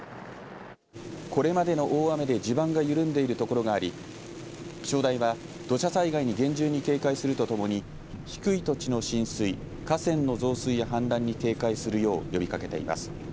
これまでの大雨で地盤が緩んでいるところがあり気象台は土砂災害に厳重に警戒するとともに低い土地の浸水河川の増水や氾濫に警戒するよう呼びかけています。